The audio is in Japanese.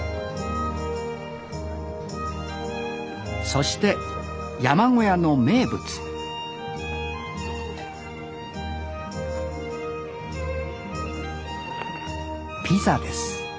そして山小屋の名物ピザです